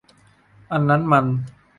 อันนั้นมัน